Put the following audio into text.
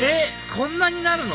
そんなになるの？